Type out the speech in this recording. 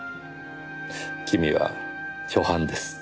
君は初犯です。